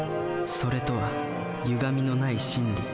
「それ」とはゆがみのない真理。